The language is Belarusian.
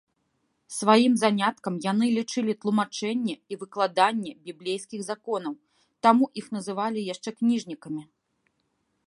Сваім заняткам яны лічылі тлумачэнне і выкладанне біблейскіх законаў, таму іх называлі яшчэ кніжнікамі.